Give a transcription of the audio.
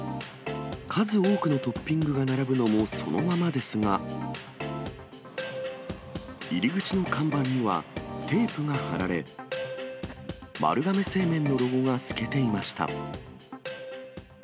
数多くのトッピングが並ぶのもそのままですが、入り口の看板にはテープが貼られ、丸亀製麺のロゴが透けていました。